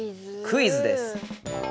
「クイズ」です。